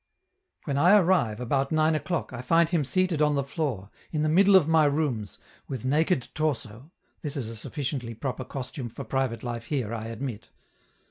When I arrive, about nine o'clock, I find him seated on the floor, in the middle of my rooms, with naked torso (this is a sufficiently proper costume for private life here, I admit).